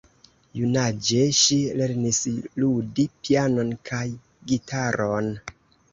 Junaĝe ŝi lernis ludi pianon kaj gitaron.